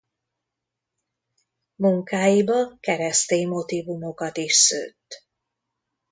Munkáiba keresztény motívumokat is szőtt.